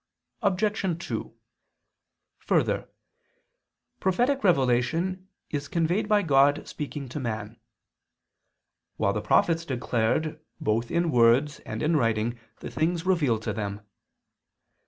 Obj. 2: Further, prophetic revelation is conveyed by God speaking to man; while the prophets declared both in words and in writing the things revealed to them.